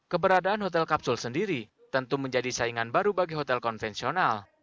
keberadaan hotel kapsul sendiri tentu menjadi saingan baru bagi hotel konvensional